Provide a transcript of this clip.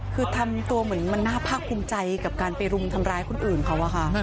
คือทำตัวเหมือนมันน่าภาคภูมิใจกับการไปรุมทำร้ายคนอื่นเขาอะค่ะ